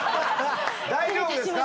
大丈夫ですか？